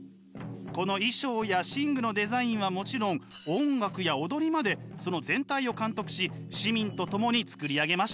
この衣装や神具のデザインはもちろん音楽や踊りまでその全体を監督し市民と共に作り上げました。